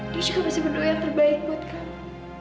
dia juga masih berdoa yang terbaik buat kami